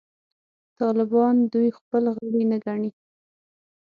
طالبان دوی خپل غړي نه ګڼي.